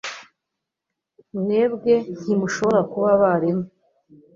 Mwebwe ntimushobora kuba abarimu